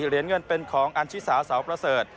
เหรียญเงินเป็นของอันชิสาสาวประเสริฐ